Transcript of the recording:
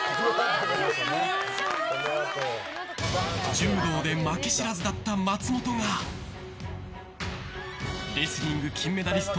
柔道で負け知らずだった松本がレスリング金メダリスト